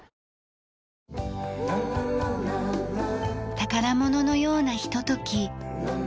宝物のようなひととき。